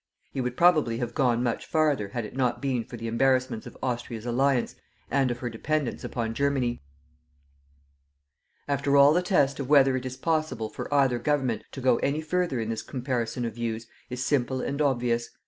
He would probably have gone much farther had it not been for the embarrassments of Austria's alliance and of her dependence upon Germany. "After all the test of whether it is possible for either Government to go any further in this comparison of views is simple and obvious.